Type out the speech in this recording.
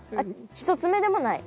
１つ目でもない？